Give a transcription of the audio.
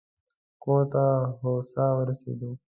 کور ته هوسا ورسېدو.